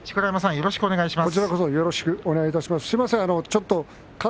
よろしくお願いします。